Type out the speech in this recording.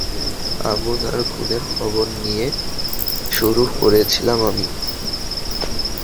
আগুন আর খুনের খবর দিয়ে শুরু করেছিলাম আমি।